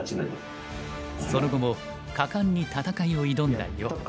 その後も果敢に戦いを挑んだ余。